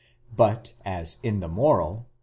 But as in the moral (v.